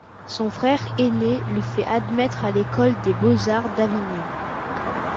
Son frère aîné le fait admettre à l'école des beaux-arts d'Avignon.